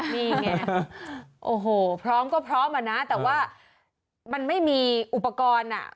นี่ไงโอ้โหพร้อมก็พร้อมอ่ะนะแต่ว่ามันไม่มีอุปกรณ์อ่ะ